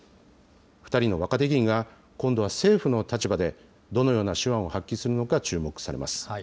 ２人の若手議員が、今度は政府の立場でどのような手腕を発揮するのか、注目されます。